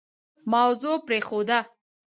موضوع پرېښوده.